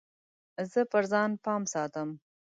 زه پر ځان پام ساتم.